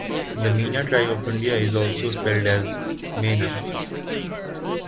The Meena tribe of India is also spelled as Mena.